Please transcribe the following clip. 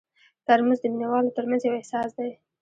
ترموز د مینه والو ترمنځ یو احساس دی.